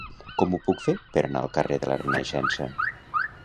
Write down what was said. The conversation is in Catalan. Com ho puc fer per anar al carrer de la Renaixença?